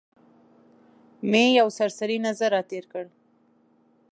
مې یو سرسري نظر را تېر کړ.